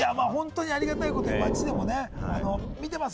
ありがたいことに街でも見てます！